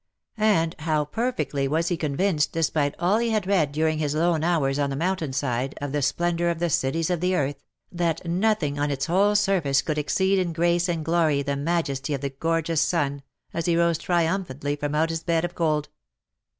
and how perfectly was he convinced, despite all he had read during his lone hours on the mountain side, of the splendour of the cities of the earth, that nothing on its whole surface could exceed in grace and glory the majesty of the gorgeous sun, as he rose triumph antly from out his bed of gold